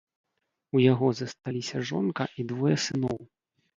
У яго засталіся жонка і двое сыноў.